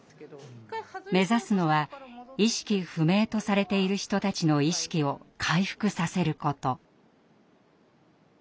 目指すのは「意識不明」とされている人たちの意識を回復させること。